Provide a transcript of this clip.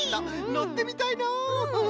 のってみたいのう。